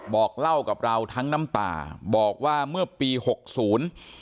บอกเล่ากับเราทั้งน้ำตาบอกว่าเมื่อปีหกศูนย์